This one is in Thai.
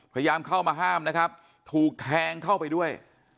พยายามเข้ามาห้ามนะครับถูกแทงเข้าไปด้วย